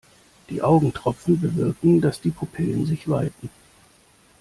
Die Augentropfen bewirken, dass die Pupillen sich weiten.